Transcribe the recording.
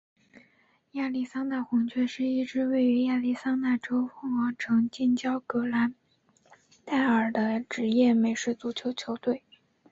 亚利桑那红雀是一支位于亚利桑那州凤凰城近郊格兰岱尔的职业美式足球球队。